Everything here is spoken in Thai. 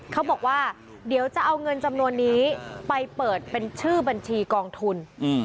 เขาบอกว่าเดี๋ยวจะเอาเงินจำนวนนี้ไปเปิดเป็นชื่อบัญชีกองทุน